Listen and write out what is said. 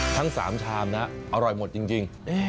ทั้ง๓ชามนะอร่อยหมดจริง